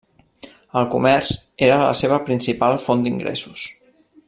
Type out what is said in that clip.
El comerç era la seva principal font d'ingressos.